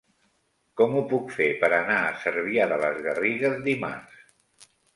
Com ho puc fer per anar a Cervià de les Garrigues dimarts?